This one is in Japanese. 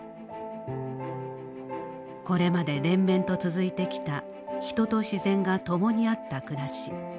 これまで連綿と続いてきた人と自然が共にあった暮らし。